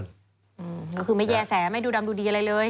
ก็คือไม่แย่แสไม่ดูดำดูดีอะไรเลย